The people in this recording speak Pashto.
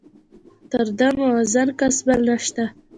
تر ده موزون کس بل نشته.